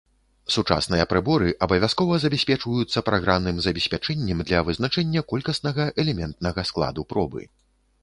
Сучасныя прыборы абавязкова забяспечваюцца праграмным забеспячэннем для вызначэння колькаснага элементнага складу пробы.